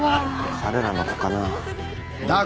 彼らの子かな？